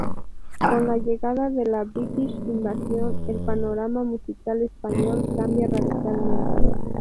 Con la llegada de la British Invasion el panorama musical español cambia radicalmente.